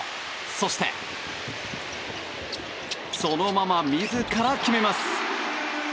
そして、そのまま自ら決めます！